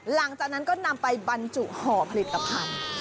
หลังจากนั้นก็นำไปบรรจุห่อผลิตภัณฑ์